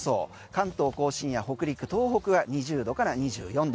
関東甲信や北陸東北は２０度から２４度。